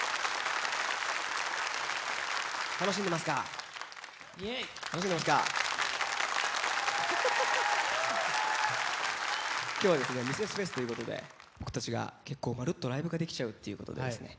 楽しんでますかイエイ楽しんでますか今日はですねミセスフェスということで僕たちが結構まるっとライブができちゃうっていうことでですね